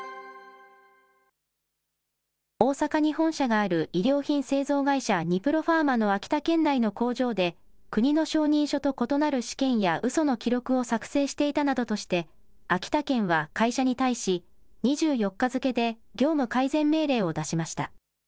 大阪に本社がある医療品製造会社、ニプロファーマの秋田県内の工場で、国の承認書と異なる試験やうその記録を作成していたなどとして、秋田県は会社に対し、２４日付けで業務改善命令を出しました。